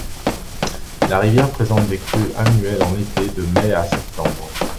La rivière présente des crues annuelles en été, de mai à septembre.